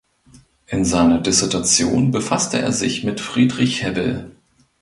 In seiner Dissertation befasste er sich mit Friedrich Hebbel.